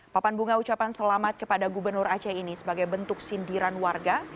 papan bunga ucapan selamat kepada gubernur aceh ini sebagai bentuk sindiran warga